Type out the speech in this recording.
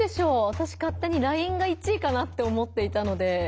わたし勝手にＬＩＮＥが１位かなって思っていたので。